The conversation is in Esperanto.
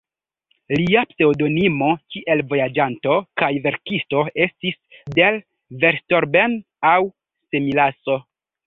Lia pseŭdonimo kiel vojaĝanto kaj verkisto estis "Der Verstorbene" aŭ "Semilasso".